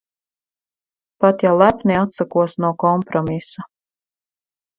Pat, ja lepni atsakos no kompromisa.